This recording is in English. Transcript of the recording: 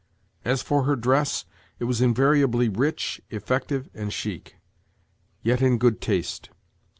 As for her dress, it was invariably rich, effective, and chic, yet in good taste.